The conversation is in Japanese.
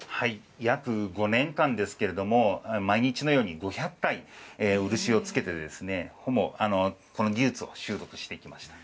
約５年間ですけれども毎日のように５００回、漆をつけてこの技術を習得してきました。